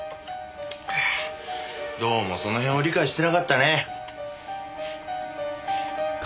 どうもそのへんを理解してなかったね。